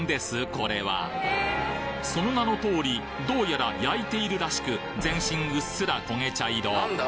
これはその名の通りどうやら焼いているらしく全身うっすら焦げ茶色